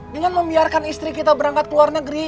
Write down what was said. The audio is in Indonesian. dengan membiarkan istri kita berangkat ke luar negeri